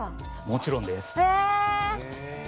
もちろんです。